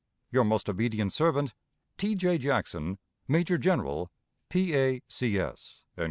Your most obedient servant, "T. J. Jackson, _Major General, P. A. C. S.